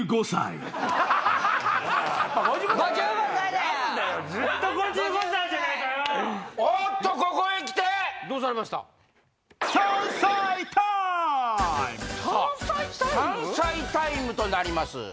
３歳タイムとなります。